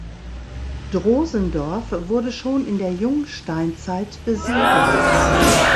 Drosendorf wurde schon in der Jungsteinzeit besiedelt.